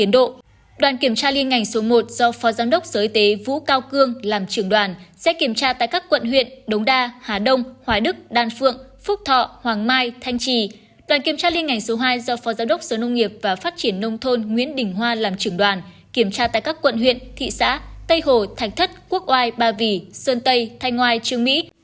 đoàn kiểm tra liên ngành số hai do phó giám đốc sở nông nghiệp và phát triển nông thôn nguyễn đình hoa làm trưởng đoàn kiểm tra tại các quận huyện thị xã tây hồ thành thất quốc oai ba vỉ sơn tây thanh oai trường mỹ